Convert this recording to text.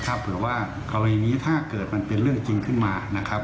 เผื่อว่ากรณีนี้ถ้าเกิดมันเป็นเรื่องจริงขึ้นมานะครับ